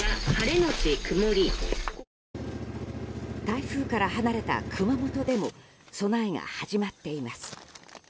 台風から離れた熊本でも備えが始まっています。